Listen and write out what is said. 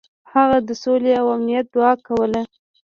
هغه د سولې او امنیت دعا کوله.